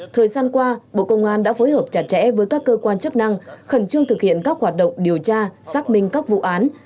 thời gian qua bộ công an đã phối hợp chặt chẽ với các cơ quan chức năng khẩn trương thực hiện các hoạt động điều tra xác minh các vụ án